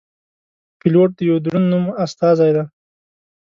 پیلوټ د یوه دروند نوم استازی دی.